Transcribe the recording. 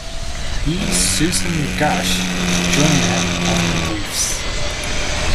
E. Susan Garsh joined him on the briefs.